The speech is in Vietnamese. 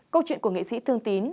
câu chuyện của nghệ sĩ thương tín